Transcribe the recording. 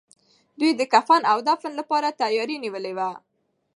دوی د کفن او دفن لپاره تياری نيولی و.